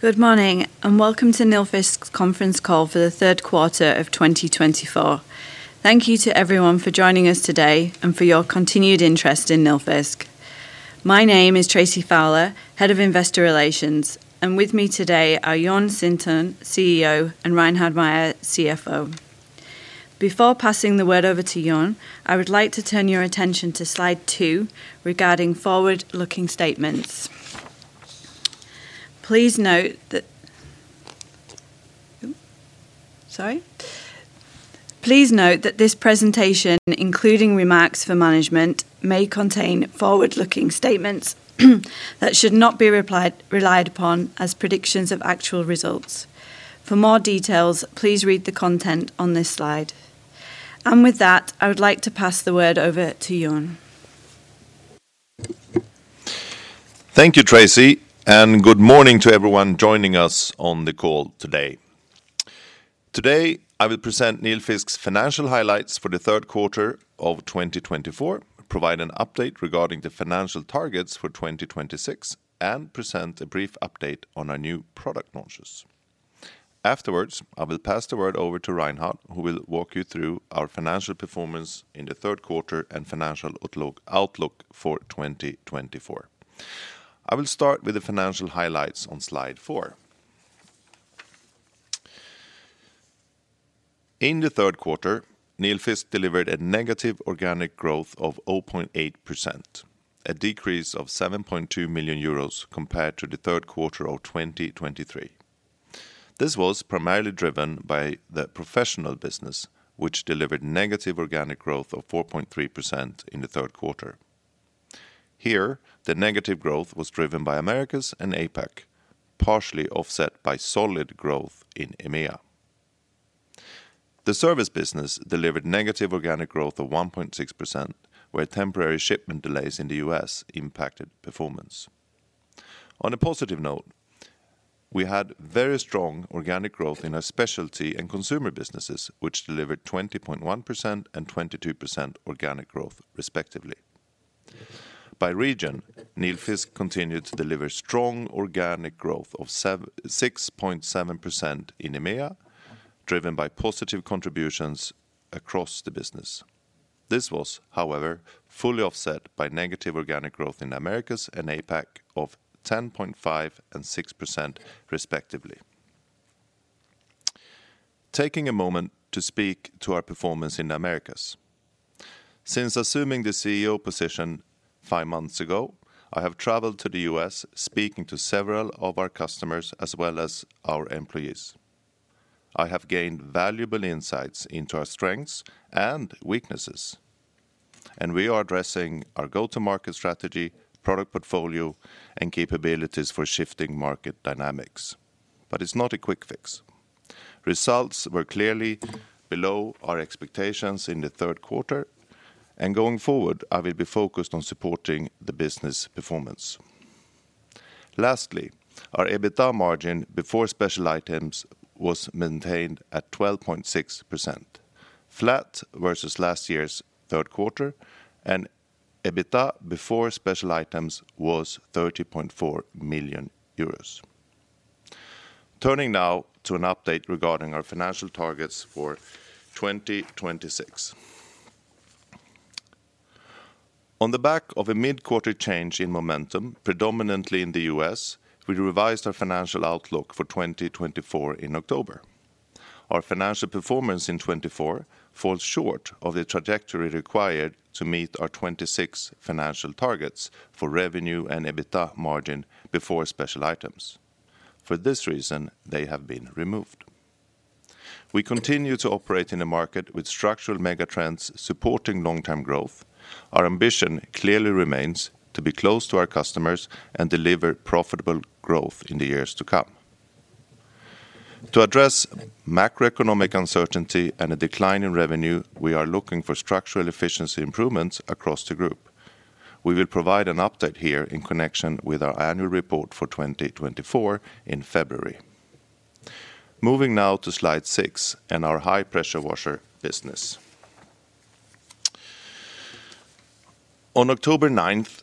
Good morning, and Welcome to Nilfisk's Conference Call for the Third Quarter of 2024. Thank you to everyone for joining us today and for your continued interest in Nilfisk. My name is Tracy Fowler, Head of Investor Relations, and with me today are Jon Sintorn, CEO, and Reinhard Mayer, CFO. Before passing the word over to Jon, I would like to turn your attention to slide two regarding forward-looking statements. Please note that this presentation, including remarks for management, may contain forward-looking statements that should not be relied upon as predictions of actual results. For more details, please read the content on this slide. And with that, I would like to pass the word over to Jon. Thank you, Tracy, and good morning to everyone joining us on the call today. Today, I will present Nilfisk's financial highlights for the third quarter of 2024, provide an update regarding the financial targets for 2026, and present a brief update on our new product launches. Afterwards, I will pass the word over to Reinhard, who will walk you through our financial performance in the third quarter and financial outlook for 2024. I will start with the financial highlights on slide four. In the third quarter, Nilfisk delivered a negative organic growth of 0.8%, a decrease of 7.2 million euros compared to the third quarter of 2023. This was primarily driven by the professional business, which delivered negative organic growth of 4.3% in the third quarter. Here, the negative growth was driven by Americas and APAC, partially offset by solid growth in EMEA. The service business delivered negative organic growth of 1.6%, where temporary shipment delays in the U.S. impacted performance. On a positive note, we had very strong organic growth in our specialty and consumer businesses, which delivered 20.1% and 22% organic growth, respectively. By region, Nilfisk continued to deliver strong organic growth of 6.7% in EMEA, driven by positive contributions across the business. This was, however, fully offset by negative organic growth in Americas and APAC of 10.5% and 6%, respectively. Taking a moment to speak to our performance in Americas. Since assuming the CEO position five months ago, I have traveled to the US, speaking to several of our customers as well as our employees. I have gained valuable insights into our strengths and weaknesses, and we are addressing our go-to-market strategy, product portfolio, and capabilities for shifting market dynamics. But it's not a quick fix. Results were clearly below our expectations in the third quarter, and going forward, I will be focused on supporting the business performance. Lastly, our EBITDA margin before special items was maintained at 12.6%, flat versus last year's third quarter, and EBITDA before special items was 30.4 million euros. Turning now to an update regarding our financial targets for 2026. On the back of a midquarter change in momentum, predominantly in the US, we revised our financial outlook for 2024 in October. Our financial performance in 2024 falls short of the trajectory required to meet our 2026 financial targets for revenue and EBITDA margin before special items. For this reason, they have been removed. We continue to operate in a market with structural megatrends supporting long-term growth. Our ambition clearly remains to be close to our customers and deliver profitable growth in the years to come. To address macroeconomic uncertainty and a decline in revenue, we are looking for structural efficiency improvements across the group. We will provide an update here in connection with our annual report for 2024 in February. Moving now to slide six and our high-pressure washer business. On October 9th,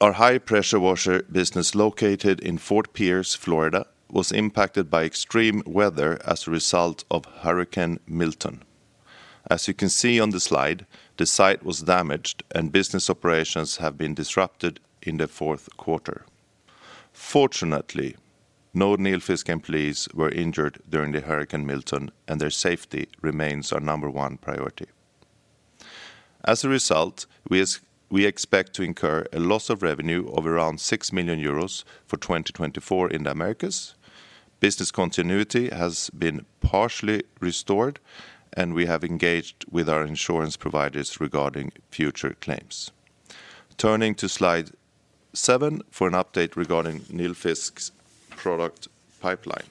our high-pressure washer business located in Fort Pierce, Florida, was impacted by extreme weather as a result of Hurricane Milton. As you can see on the slide, the site was damaged, and business operations have been disrupted in the fourth quarter. Fortunately, no Nilfisk employees were injured during the Hurricane Milton, and their safety remains our number one priority. As a result, we expect to incur a loss of revenue of around 6 million euros for 2024 in the Americas. Business continuity has been partially restored, and we have engaged with our insurance providers regarding future claims. Turning to slide seven for an update regarding Nilfisk's product pipeline.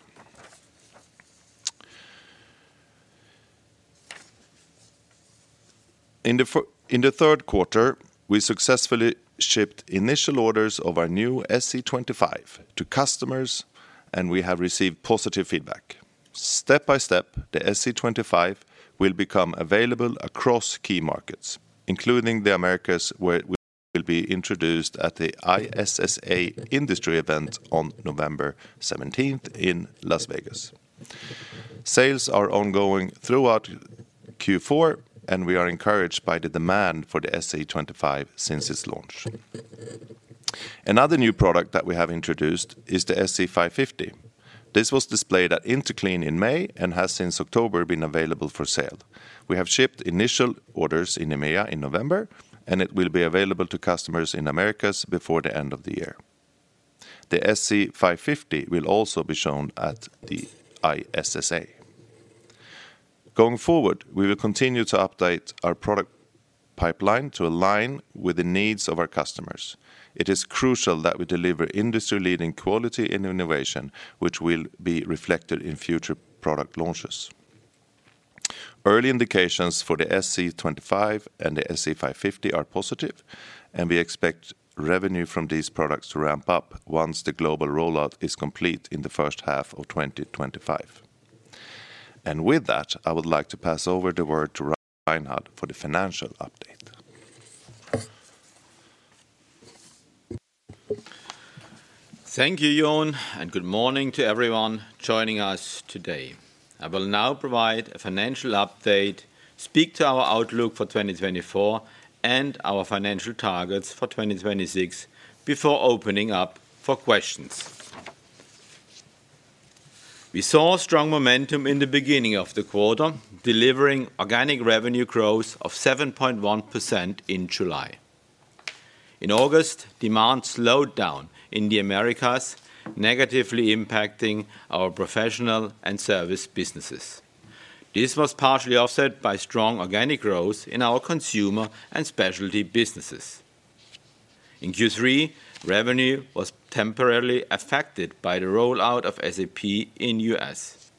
In the third quarter, we successfully shipped initial orders of our new SC25 to customers, and we have received positive feedback. Step by step, the SC25 will become available across key markets, including the Americas where it will be introduced at the ISSA industry event on November 17th in Las Vegas. Sales are ongoing throughout Q4, and we are encouraged by the demand for the SC25 since its launch. Another new product that we have introduced is the SC550. This was displayed at Interclean in May and has since October been available for sale. We have shipped initial orders in EMEA in November, and it will be available to customers in the Americas before the end of the year. The SC550 will also be shown at the ISSA. Going forward, we will continue to update our product pipeline to align with the needs of our customers. It is crucial that we deliver industry-leading quality and innovation, which will be reflected in future product launches. Early indications for the SC25 and the SC550 are positive, and we expect revenue from these products to ramp up once the global rollout is complete in the first half of 2025. And with that, I would like to pass over the word to Reinhard for the financial update. Thank you, Jon, and good morning to everyone joining us today. I will now provide a financial update, speak to our outlook for 2024, and our financial targets for 2026 before opening up for questions. We saw strong momentum in the beginning of the quarter, delivering organic revenue growth of 7.1% in July. In August, demand slowed down in the Americas, negatively impacting our professional and service businesses. This was partially offset by strong organic growth in our consumer and specialty businesses. In Q3, revenue was temporarily affected by the rollout of SAP in the US.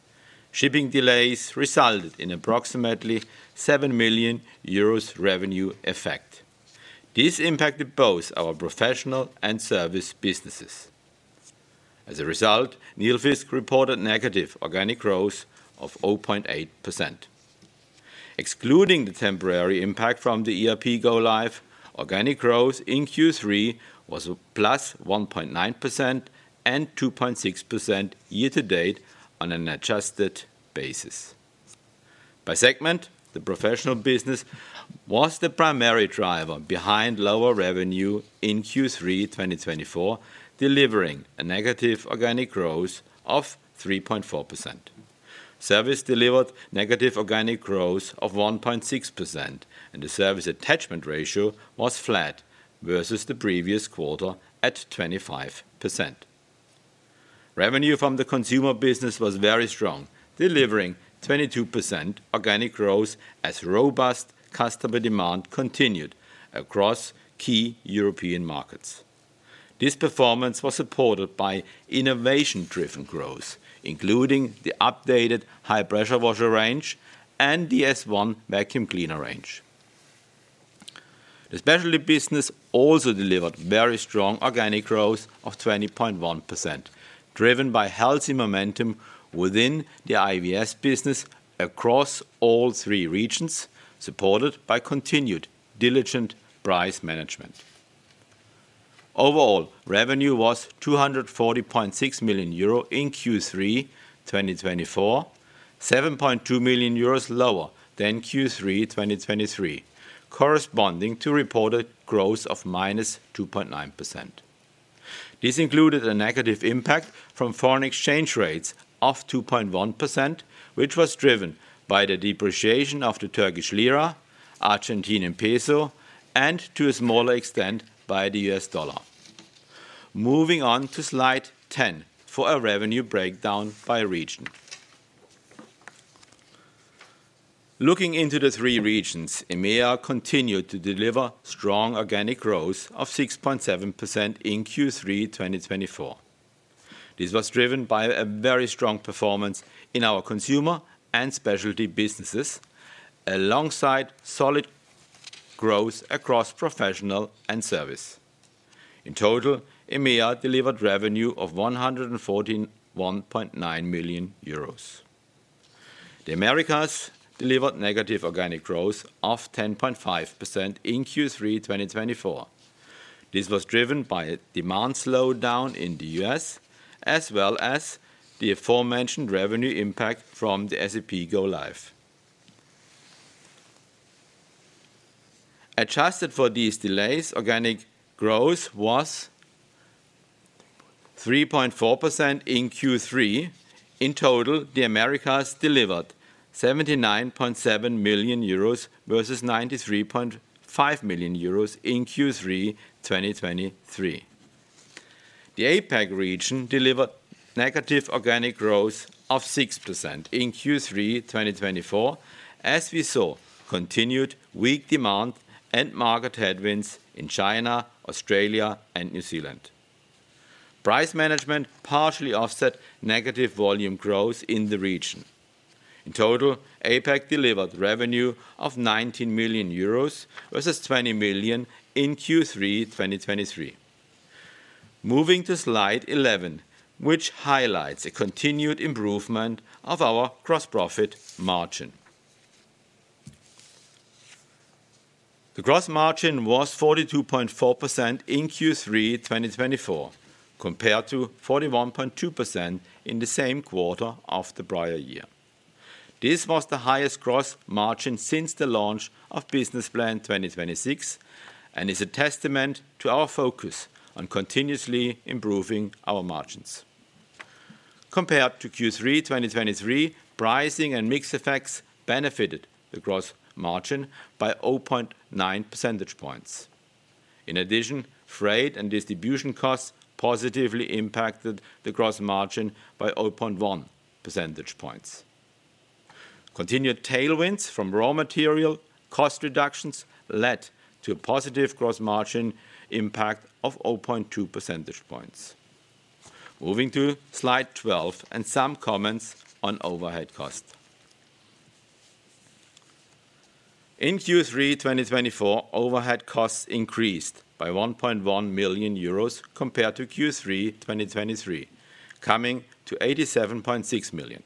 Shipping delays resulted in approximately 7 million euros revenue effect. This impacted both our professional and service businesses. As a result, Nilfisk reported negative organic growth of 0.8%. Excluding the temporary impact from the ERP go-live, organic growth in Q3 was +1.9% and 2.6% year-to-date on an adjusted basis. By segment, the professional business was the primary driver behind lower revenue in Q3 2024, delivering a negative organic growth of 3.4%. Service delivered negative organic growth of 1.6%, and the service attachment ratio was flat versus the previous quarter at 25%. Revenue from the consumer business was very strong, delivering 22% organic growth as robust customer demand continued across key European markets. This performance was supported by innovation-driven growth, including the updated high-pressure washer range and the S1 vacuum cleaner range. The specialty business also delivered very strong organic growth of 20.1%, driven by healthy momentum within the IVS business across all three regions, supported by continued diligent price management. Overall, revenue was 240.6 million euro in Q3 2024, 7.2 million euros lower than Q3 2023, corresponding to reported growth of -2.9%. This included a negative impact from foreign exchange rates of 2.1%, which was driven by the depreciation of the Turkish lira, Argentine peso, and to a smaller extent by the U.S. dollar. Moving on to slide 10 for a revenue breakdown by region. Looking into the three regions, EMEA continued to deliver strong organic growth of 6.7% in Q3 2024. This was driven by a very strong performance in our consumer and specialty businesses, alongside solid growth across professional and service. In total, EMEA delivered revenue of 114.9 million euros. The Americas delivered negative organic growth of 10.5% in Q3 2024. This was driven by demand slowdown in the U.S., as well as the aforementioned revenue impact from the SAP go-live. Adjusted for these delays, organic growth was 3.4% in Q3. In total, the Americas delivered 79.7 million euros versus 93.5 million euros in Q3 2023. The APAC region delivered negative organic growth of 6% in Q3 2024, as we saw continued weak demand and market headwinds in China, Australia, and New Zealand. Price management partially offset negative volume growth in the region. In total, APAC delivered revenue of 19 million euros versus 20 million in Q3 2023. Moving to slide 11, which highlights a continued improvement of our gross profit margin. The gross margin was 42.4% in Q3 2024, compared to 41.2% in the same quarter of the prior year. This was the highest gross margin since the launch of Business Plan 2026 and is a testament to our focus on continuously improving our margins. Compared to Q3 2023, pricing and mixed effects benefited the gross margin by 0.9 percentage points. In addition, freight and distribution costs positively impacted the gross margin by 0.1 percentage points. Continued tailwinds from raw material cost reductions led to a positive gross margin impact of 0.2 percentage points. Moving to slide 12 and some comments on overhead costs. In Q3 2024, overhead costs increased by 1.1 million euros compared to Q3 2023, coming to 87.6 million.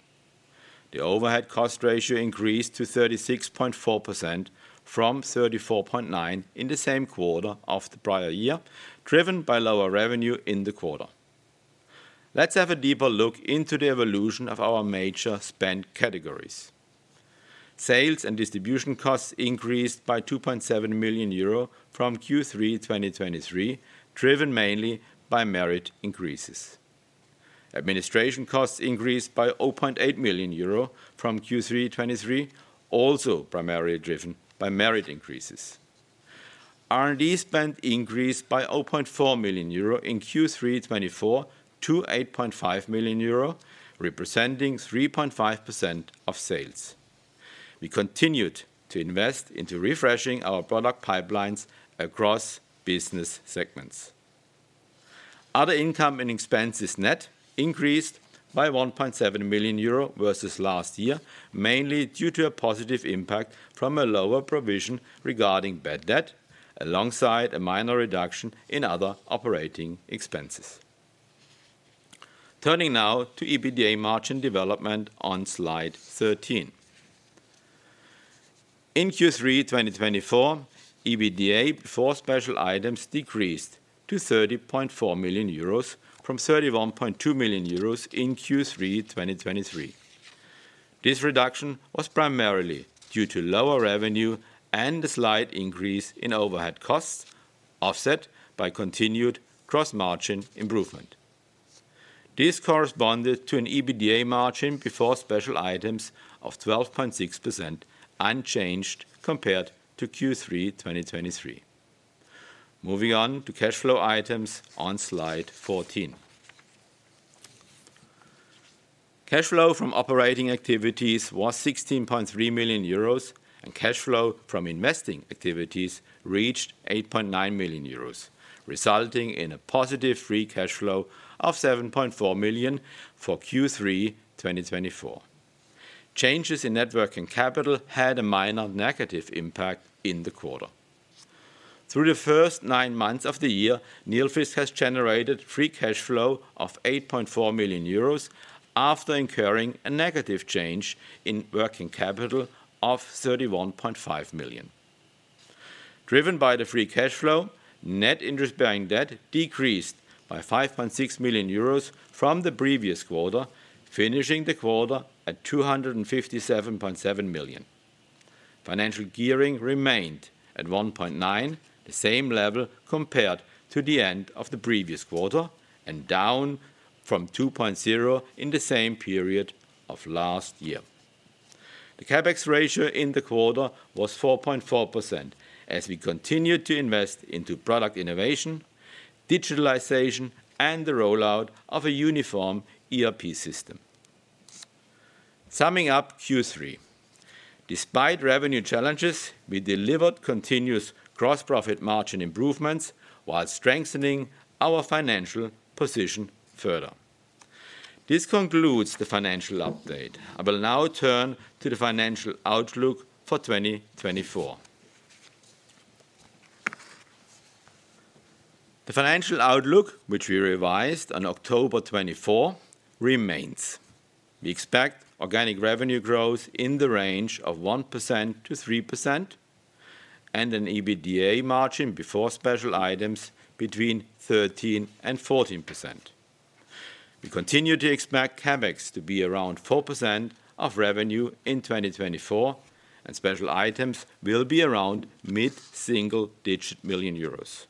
The overhead cost ratio increased to 36.4% from 34.9% in the same quarter of the prior year, driven by lower revenue in the quarter. Let's have a deeper look into the evolution of our major spend categories. Sales and distribution costs increased by 2.7 million euro from Q3 2023, driven mainly by merit increases. Administration costs increased by 0.8 million euro from Q3 2023, also primarily driven by merit increases. R&D spend increased by 0.4 million euro in Q3 2024 to 8.5 million euro, representing 3.5% of sales. We continued to invest into refreshing our product pipelines across business segments. Other income and expenses net increased by 1.7 million euro versus last year, mainly due to a positive impact from a lower provision regarding bad debt, alongside a minor reduction in other operating expenses. Turning now to EBITDA margin development on slide 13. In Q3 2024, EBITDA for special items decreased to 30.4 million euros from 31.2 million euros in Q3 2023. This reduction was primarily due to lower revenue and a slight increase in overhead costs, offset by continued gross margin improvement. This corresponded to an EBITDA margin before special items of 12.6%, unchanged compared to Q3 2023. Moving on to cash flow items on slide 14. Cash flow from operating activities was 16.3 million euros, and cash flow from investing activities reached 8.9 million euros, resulting in a positive free cash flow of 7.4 million for Q3 2024. Changes in net working capital had a minor negative impact in the quarter. Through the first nine months of the year, Nilfisk has generated free cash flow of 8.4 million euros after incurring a negative change in working capital of 31.5 million. Driven by the free cash flow, net interest-bearing debt decreased by 5.6 million euros from the previous quarter, finishing the quarter at 257.7 million. Financial gearing remained at 1.9, the same level compared to the end of the previous quarter, and down from 2.0 in the same period of last year. The CapEx ratio in the quarter was 4.4%, as we continued to invest into product innovation, digitalization, and the rollout of a uniform ERP system. Summing up Q3, despite revenue challenges, we delivered continuous gross profit margin improvements while strengthening our financial position further. This concludes the financial update. I will now turn to the financial outlook for 2024. The financial outlook, which we revised on October 24, remains. We expect organic revenue growth in the range of 1% to 3% and an EBITDA margin before special items between 13% and 14%. We continue to expect CapEx to be around 4% of revenue in 2024, and special items will be around mid-single-digit million euros.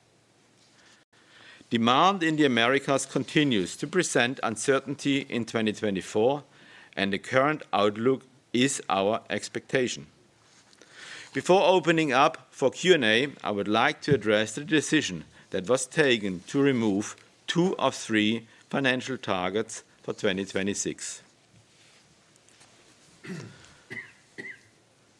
Demand in the Americas continues to present uncertainty in 2024, and the current outlook is our expectation. Before opening up for Q&A, I would like to address the decision that was taken to remove two of three financial targets for 2026.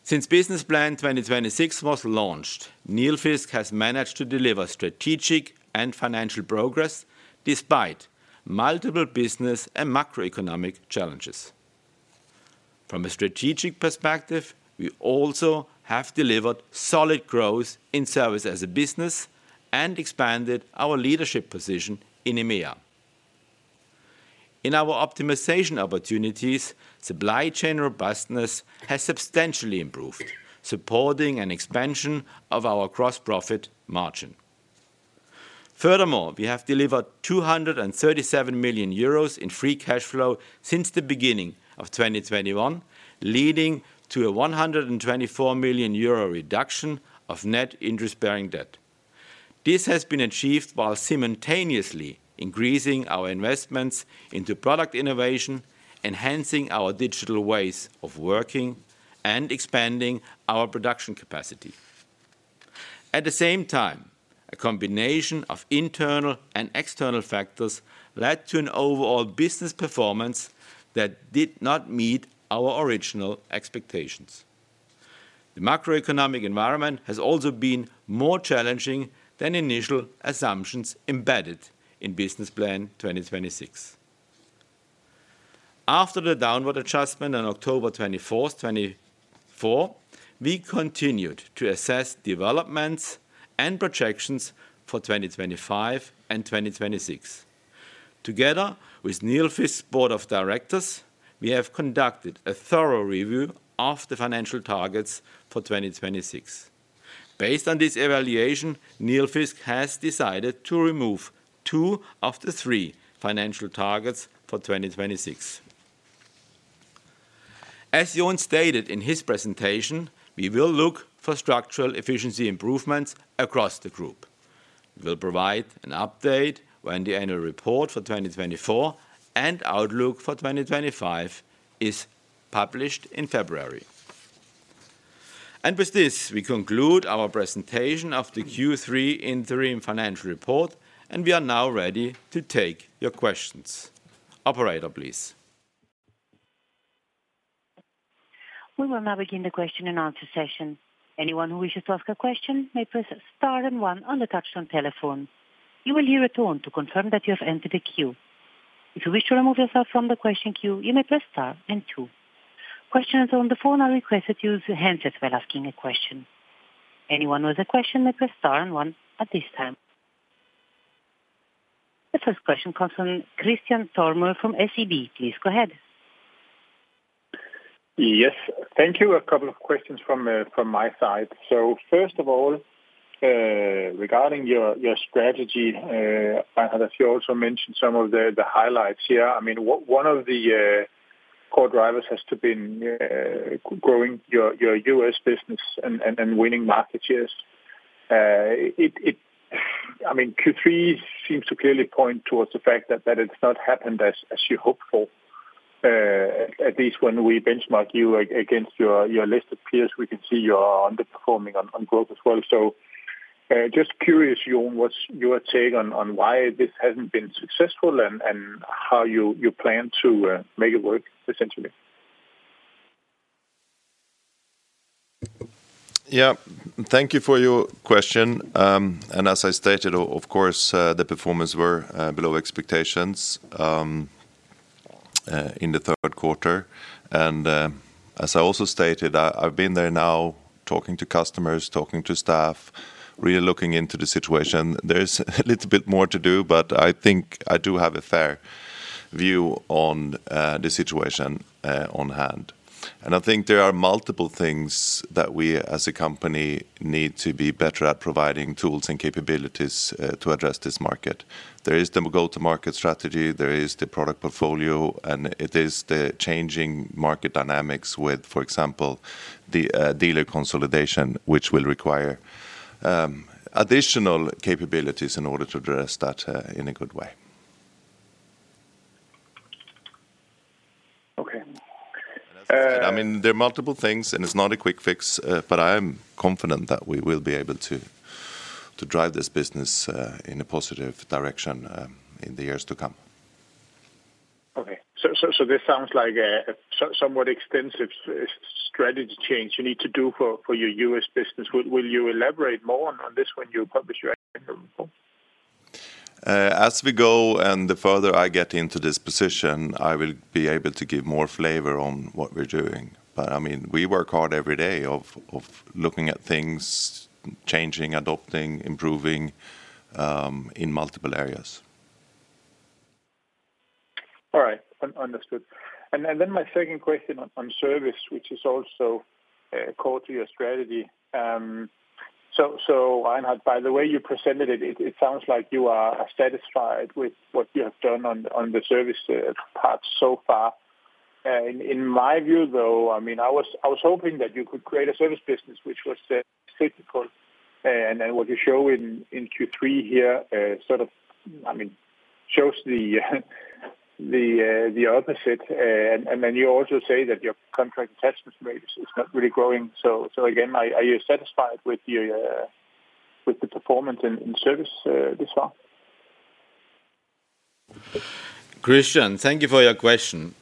Since Business Plan 2026 was launched, Nilfisk has managed to deliver strategic and financial progress despite multiple business and macroeconomic challenges. From a strategic perspective, we also have delivered solid growth in service as a business and expanded our leadership position in EMEA. In our optimization opportunities, supply chain robustness has substantially improved, supporting an expansion of our gross profit margin. Furthermore, we have delivered 237 million euros in free cash flow since the beginning of 2021, leading to a 124 million euro reduction of net interest-bearing debt. This has been achieved while simultaneously increasing our investments into product innovation, enhancing our digital ways of working, and expanding our production capacity. At the same time, a combination of internal and external factors led to an overall business performance that did not meet our original expectations. The macroeconomic environment has also been more challenging than initial assumptions embedded in Business Plan 2026. After the downward adjustment on October 24, 2024, we continued to assess developments and projections for 2025 and 2026. Together with Nilfisk Board of Directors, we have conducted a thorough review of the financial targets for 2026. Based on this evaluation, Nilfisk has decided to remove two of the three financial targets for 2026. As Jon stated in his presentation, we will look for structural efficiency improvements across the group. We will provide an update when the annual report for 2024 and outlook for 2025 is published in February. And with this, we conclude our presentation of the Q3 Interim Financial Report, and we are now ready to take your questions. Operator, please. We will now begin the question and answer session. Anyone who wishes to ask a question may press star and one on the touch-tone telephone. You will hear a tone to confirm that you have entered the queue. If you wish to remove yourself from the question queue, you may press star and two. Questioners on the phone are requested to use their handset as well as asking a question. Anyone with a question may press star and one at this time. The first question comes from Kristian Tornøe from SEB. Please go ahead. Yes, thank you. A couple of questions from my side. So first of all, regarding your strategy, Reinhard has also mentioned some of the highlights here. I mean, one of the core drivers has to be growing your U.S. business and winning market shares. I mean, Q3 seems to clearly point towards the fact that it's not happened as you hoped for. At least when we benchmark you against your listed peers, we can see you're underperforming on growth as well. So just curious, Jon, what's your take on why this hasn't been successful and how you plan to make it work, essentially? Yeah, thank you for your question, and as I stated, of course, the performance was below expectations in the third quarter, and as I also stated, I've been there now talking to customers, talking to staff, really looking into the situation. There's a little bit more to do, but I think I do have a fair view on the situation on hand, and I think there are multiple things that we as a company need to be better at providing tools and capabilities to address this market. There is the go-to-market strategy, there is the product portfolio, and it is the changing market dynamics with, for example, the dealer consolidation, which will require additional capabilities in order to address that in a good way. Okay. I mean, there are multiple things, and it's not a quick fix, but I am confident that we will be able to drive this business in a positive direction in the years to come. Okay, so this sounds like somewhat extensive strategy change you need to do for your U.S. business. Will you elaborate more on this when you publish your annual report? As we go and the further I get into this position, I will be able to give more flavor on what we're doing. But I mean, we work hard every day of looking at things, changing, adopting, improving in multiple areas. All right. Understood. And then my second question on service, which is also core to your strategy. So Reinhard, by the way you presented it, it sounds like you are satisfied with what you have done on the service part so far. In my view, though, I mean, I was hoping that you could create a service business, which was critical. And then what you show in Q3 here sort of, I mean, shows the opposite. And then you also say that your contract attachment rate is not really growing. So again, are you satisfied with the performance in service this far? Christian, thank you for your question.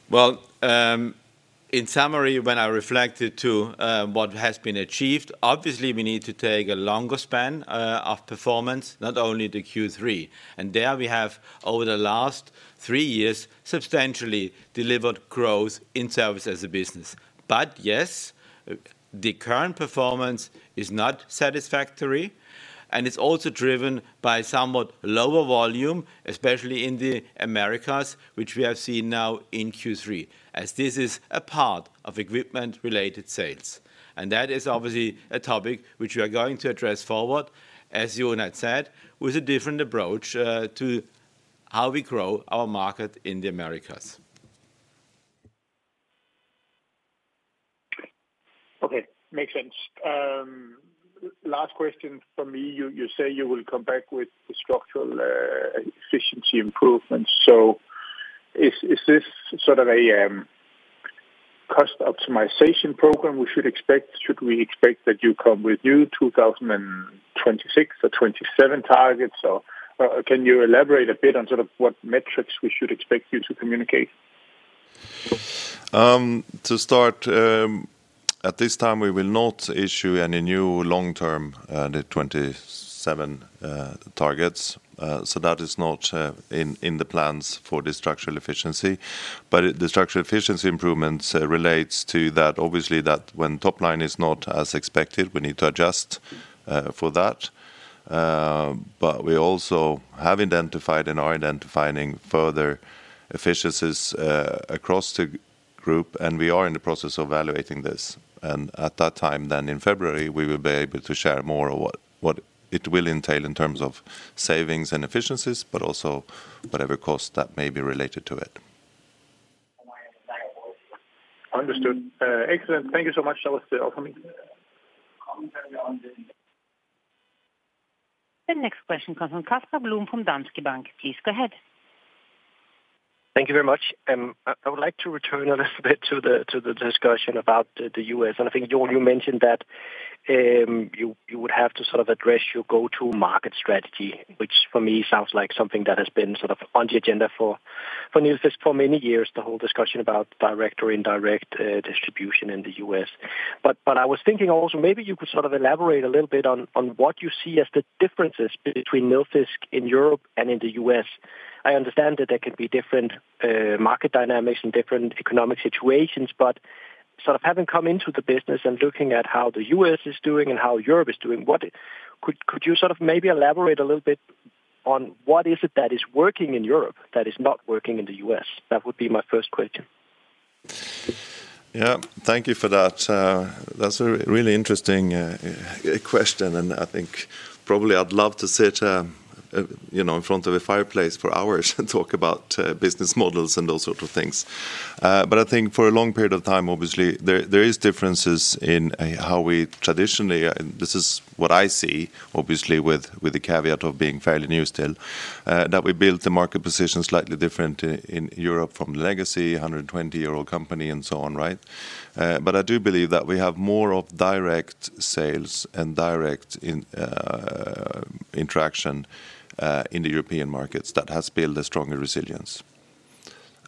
In summary, when I reflected to what has been achieved, obviously, we need to take a longer span of performance, not only the Q3. There we have, over the last three years, substantially delivered growth in service as a business. Yes, the current performance is not satisfactory, and it's also driven by somewhat lower volume, especially in the Americas, which we have seen now in Q3, as this is a part of equipment-related sales. That is obviously a topic which we are going to address forward, as Jon had said, with a different approach to how we grow our market in the Americas. Okay. Makes sense. Last question for me. You say you will come back with the structural efficiency improvements. So is this sort of a cost optimization program we should expect? Should we expect that you come with new 2026 or 2027 targets? Or can you elaborate a bit on sort of what metrics we should expect you to communicate? To start, at this time, we will not issue any new long-term 2027 targets. So that is not in the plans for the structural efficiency. But the structural efficiency improvements relate to that, obviously, that when top line is not as expected, we need to adjust for that. But we also have identified and are identifying further efficiencies across the group, and we are in the process of evaluating this. And at that time, then in February, we will be able to share more of what it will entail in terms of savings and efficiencies, but also whatever costs that may be related to it. Understood. Excellent. Thank you so much, Elisabeth Klintholm. The next question comes from Casper Blom from Danske Bank. Please go ahead. Thank you very much. I would like to return a little bit to the discussion about the U.S., and I think, Jon, you mentioned that you would have to sort of address your go-to-market strategy, which for me sounds like something that has been sort of on the agenda for Nilfisk for many years, the whole discussion about direct or indirect distribution in the U.S., but I was thinking also maybe you could sort of elaborate a little bit on what you see as the differences between Nilfisk in Europe and in the U.S. I understand that there can be different market dynamics and different economic situations, but sort of having come into the business and looking at how the U.S. is doing and how Europe is doing, could you sort of maybe elaborate a little bit on what is it that is working in Europe that is not working in the U.S.? That would be my first question. Yeah, thank you for that. That's a really interesting question. And I think probably I'd love to sit in front of a fireplace for hours and talk about business models and those sort of things. But I think for a long period of time, obviously, there are differences in how we traditionally, this is what I see, obviously, with the caveat of being fairly new still, that we built the market position slightly different in Europe from the legacy 120-year-old company and so on, right? But I do believe that we have more of direct sales and direct interaction in the European markets that has built a stronger resilience.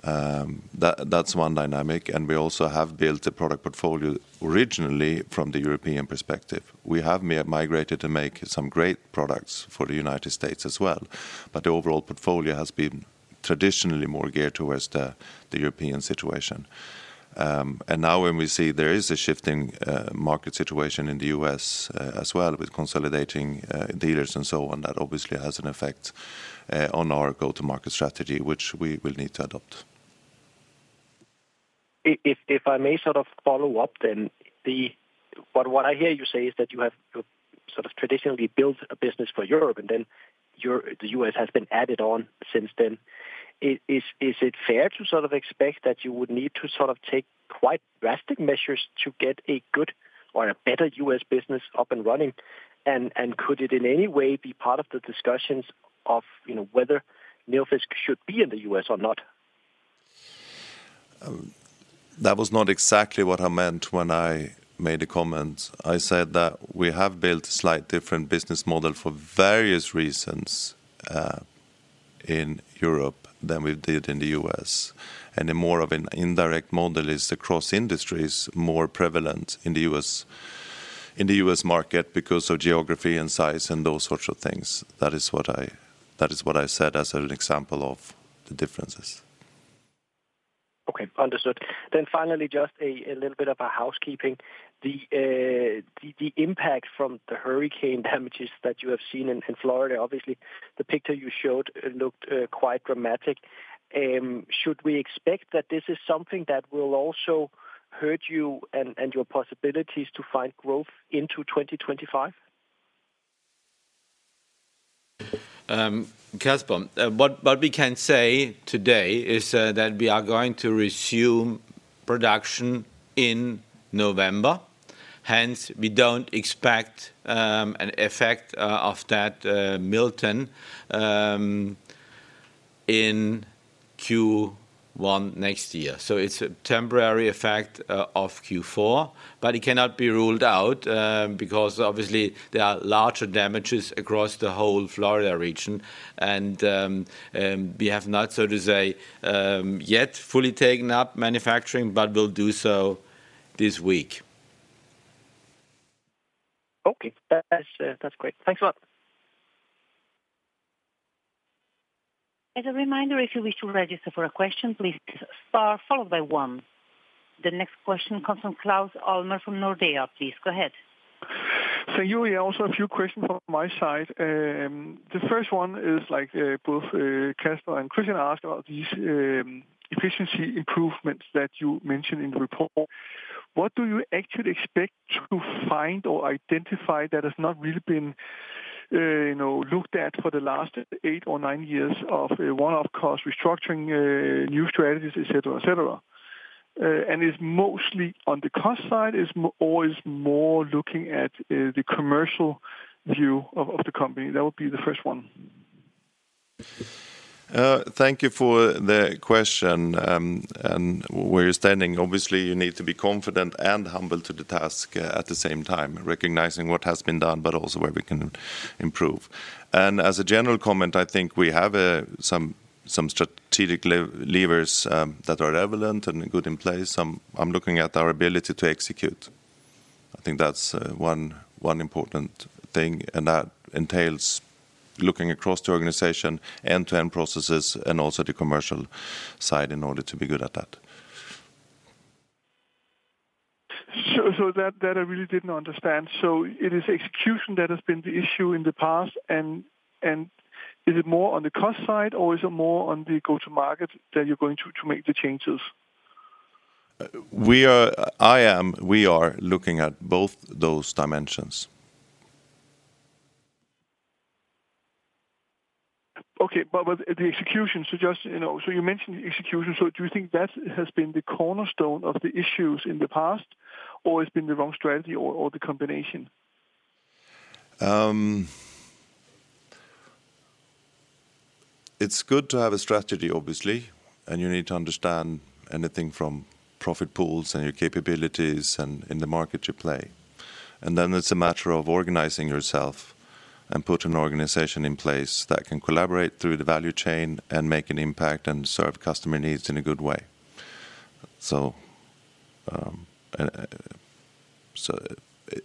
That's one dynamic. And we also have built a product portfolio originally from the European perspective. We have migrated to make some great products for the United States as well. But the overall portfolio has been traditionally more geared towards the European situation. And now when we see there is a shifting market situation in the U.S. as well with consolidating dealers and so on, that obviously has an effect on our go-to-market strategy, which we will need to adopt. If I may sort of follow up then, what I hear you say is that you have sort of traditionally built a business for Europe, and then the U.S. has been added on since then. Is it fair to sort of expect that you would need to sort of take quite drastic measures to get a good or a better U.S. business up and running? And could it in any way be part of the discussions of whether Nilfisk should be in the U.S. or not? That was not exactly what I meant when I made the comment. I said that we have built a slight different business model for various reasons in Europe than we did in the U.S. More of an indirect model is across industries more prevalent in the U.S. market because of geography and size and those sorts of things. That is what I said as an example of the differences. Okay. Understood. Then finally, just a little bit of housekeeping. The impact from the hurricane damages that you have seen in Florida, obviously, the picture you showed looked quite dramatic. Should we expect that this is something that will also hurt you and your possibilities to find growth into 2025? Casper, what we can say today is that we are going to resume production in November. Hence, we don't expect an effect of that Milton in Q1 next year. It's a temporary effect of Q4, but it cannot be ruled out because obviously there are larger damages across the whole Florida region. And we have not, so to say, yet fully taken up manufacturing, but we'll do so this week. Okay. That's great. Thanks a lot. As a reminder, if you wish to register for a question, please press star followed by one. The next question comes from Claus Almer from Nordea. Please go ahead. Julia, also a few questions on my side. The first one is like both Casper and Christian asked about these efficiency improvements that you mentioned in the report. What do you actually expect to find or identify that has not really been looked at for the last eight or nine years of one-off cost restructuring, new strategies, etc., etc.? And it's mostly on the cost side or it's more looking at the commercial view of the company? That would be the first one. Thank you for the question. And where you're standing, obviously, you need to be confident and humble to the task at the same time, recognizing what has been done, but also where we can improve. And as a general comment, I think we have some strategic levers that are relevant and good in place. I'm looking at our ability to execute. I think that's one important thing. And that entails looking across the organization, end-to-end processes, and also the commercial side in order to be good at that. So that I really didn't understand. So it is execution that has been the issue in the past. And is it more on the cost side or is it more on the go-to-market that you're going to make the changes? I am. We are looking at both those dimensions. Okay. But the execution, so just so you mentioned execution. So do you think that has been the cornerstone of the issues in the past, or it's been the wrong strategy or the combination? It's good to have a strategy, obviously. And you need to understand anything from profit pools and your capabilities and in the market you play. And then it's a matter of organizing yourself and putting an organization in place that can collaborate through the value chain and make an impact and serve customer needs in a good way. So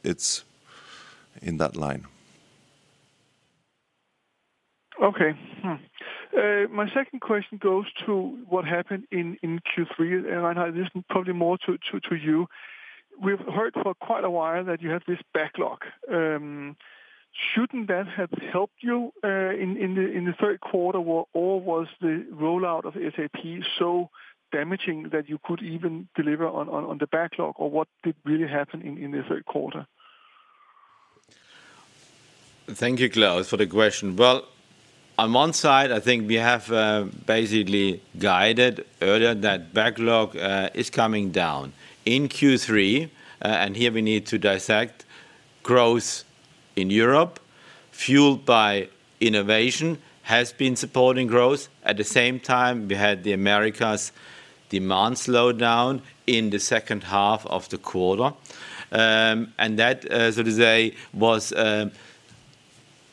it's in that line. Okay. My second question goes to what happened in Q3. And I know this is probably more to you. We've heard for quite a while that you have this backlog. Shouldn't that have helped you in the third quarter, or was the rollout of SAP so damaging that you could even deliver on the backlog, or what did really happen in the third quarter? Thank you, Claus, for the question. Well, on one side, I think we have basically guided earlier that backlog is coming down in Q3. And here we need to dissect growth in Europe, fueled by innovation, has been supporting growth. At the same time, we had the Americas demand slowdown in the second half of the quarter. And that, so to say, was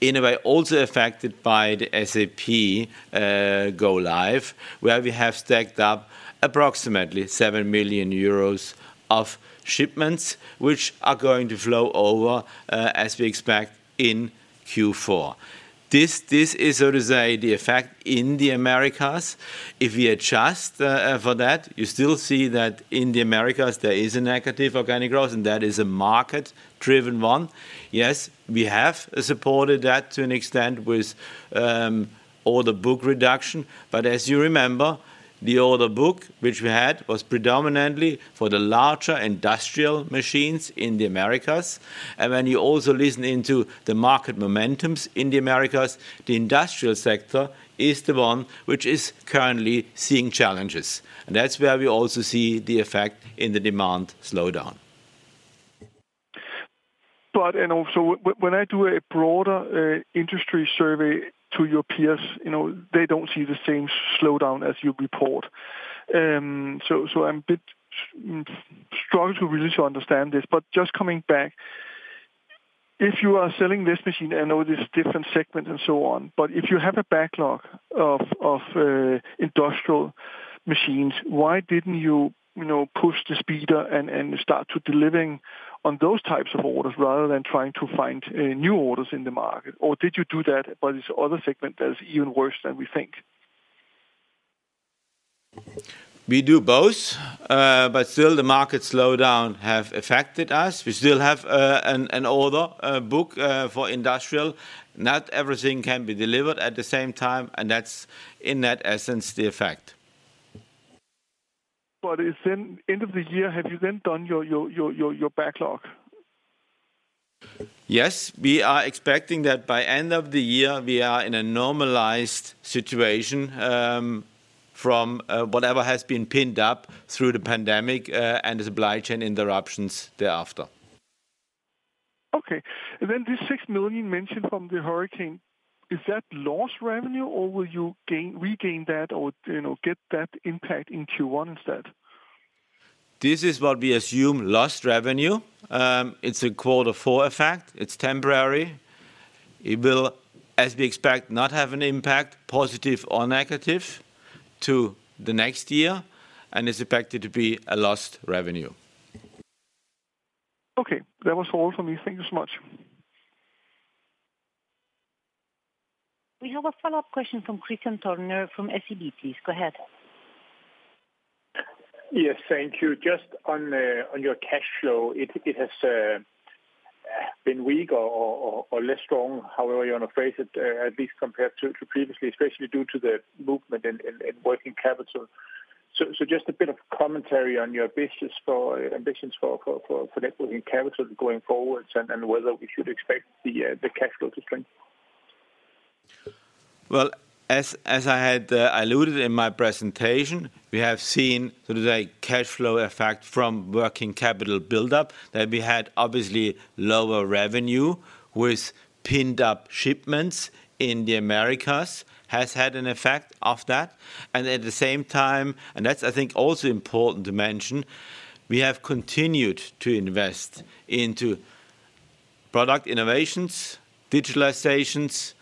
in a way also affected by the SAP go-live, where we have stacked up approximately 7 million euros of shipments, which are going to flow over, as we expect, in Q4. This is, so to say, the effect in the Americas. If we adjust for that, you still see that in the Americas, there is a negative organic growth, and that is a market-driven one. Yes, we have supported that to an extent with order book reduction. But as you remember, the order book, which we had, was predominantly for the larger industrial machines in the Americas. And when you also listen into the market momentums in the Americas, the industrial sector is the one which is currently seeing challenges. And that's where we also see the effect in the demand slowdown. But when I do a broader industry survey to your peers, they don't see the same slowdown as you report. So I'm a bit struggling to really understand this. But just coming back, if you are selling this machine, I know there's different segments and so on. But if you have a backlog of industrial machines, why didn't you push the sweeper and start delivering on those types of orders rather than trying to find new orders in the market? Or did you do that, but it's another segment that is even worse than we think? We do both. But still, the market slowdown has affected us. We still have an order book for industrial. Not everything can be delivered at the same time. And that's, in that essence, the effect. But at the end of the year, have you then done your backlog? Yes. We are expecting that by the end of the year, we are in a normalized situation from whatever has been built up through the pandemic and the supply chain interruptions thereafter. Okay. And then this 6 million mentioned from the hurricane, is that lost revenue, or will you regain that or get that impact in Q1 instead? This is what we assume: lost revenue. It's a quarter four effect. It's temporary. It will, as we expect, not have an impact, positive or negative, to the next year. And it's expected to be a lost revenue. Okay. That was all for me. Thank you so much. We have a follow-up question from Kristian Tornøe from SEB. Please go ahead. Yes, thank you. Just on your cash flow, it has been weak or less strong, however you want to phrase it, at least compared to previously, especially due to the movement in working capital. So just a bit of commentary on your ambitions for working capital going forward and whether we should expect the cash flow to strengthen. As I had alluded in my presentation, we have seen, so to say, cash flow effect from working capital buildup that we had obviously lower revenue with pent-up shipments in the Americas has had an effect of that. And at the same time, and that's, I think, also important to mention, we have continued to invest into product innovations, digitalizations,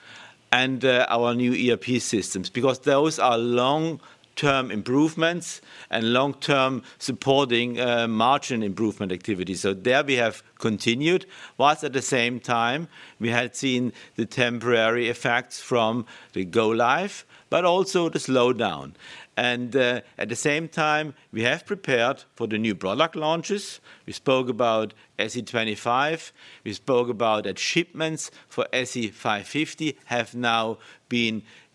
and our new ERP systems because those are long-term improvements and long-term supporting margin improvement activities. So there we have continued, whilst at the same time, we had seen the temporary effects from the go-live, but also the slowdown. And at the same time, we have prepared for the new product launches. We spoke about SC25. We spoke about that shipments for SC550 have now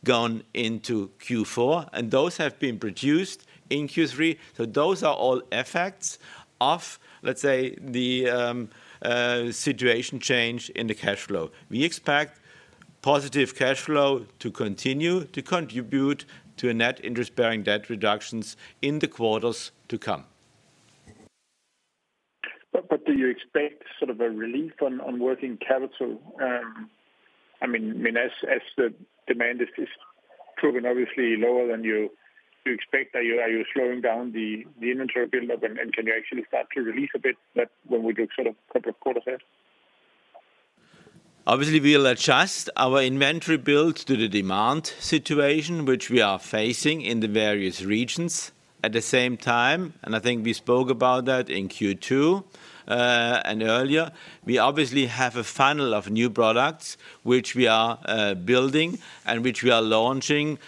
gone into Q4. And those have been produced in Q3. So those are all effects of, let's say, the situation change in the cash flow. We expect positive cash flow to continue to contribute to net interest-bearing debt reductions in the quarters to come. But do you expect sort of a relief on working capital? I mean, as the demand is proven, obviously, lower than you expect, are you slowing down the inventory buildup, and can you actually start to release a bit when we look sort of quarter four ahead? Obviously, we'll adjust our inventory build to the demand situation, which we are facing in the various regions. At the same time, and I think we spoke about that in Q2 and earlier, we obviously have a funnel of new products, which we are building and which we are launching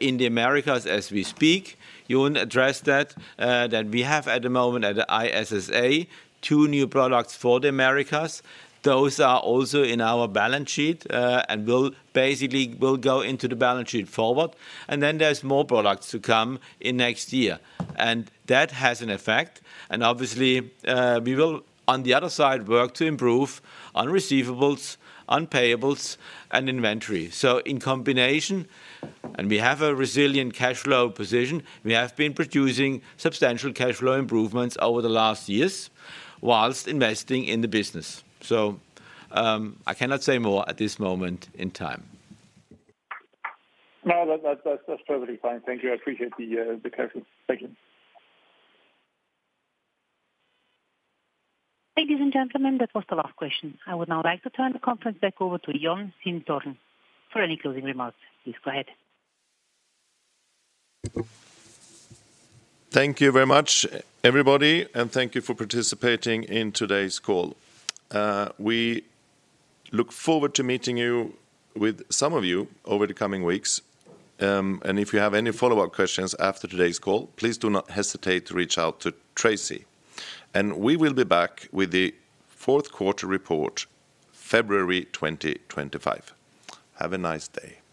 in the Americas as we speak. You won't address that. We have at the moment at the ISSA two new products for the Americas. Those are also in our balance sheet and will basically go into the balance sheet forward, and then there's more products to come in next year, and that has an effect. And obviously, we will, on the other side, work to improve on receivables, on payables, and inventory, so in combination and we have a resilient cash flow position; we have been producing substantial cash flow improvements over the last years whilst investing in the business. So I cannot say more at this moment in time. No, that's perfectly fine. Thank you. I appreciate the clarity. Thank you. Ladies and gentlemen, that was the last question. I would now like to turn the conference back over to Jon Sintorn for any closing remarks. Please go ahead. Thank you very much, everybody, and thank you for participating in today's call. We look forward to meeting you with some of you over the coming weeks. If you have any follow-up questions after today's call, please do not hesitate to reach out to Tracy. We will be back with the fourth quarter report, February 2025. Have a nice day.